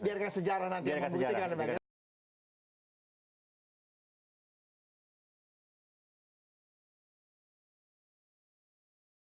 biarkan sejarah nanti ya membuktikan